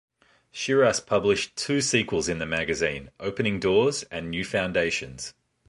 Shiras published two sequels in the magazine: "Opening Doors," and "New Foundations.